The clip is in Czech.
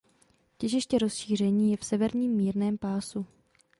Těžiště rozšíření je v severním mírném pásu.